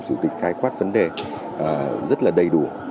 chủ tịch khái quát vấn đề rất là đầy đủ